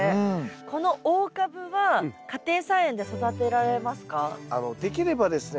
この大カブは家庭菜園で育てられますか？